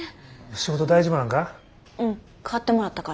仕事大丈夫なんか？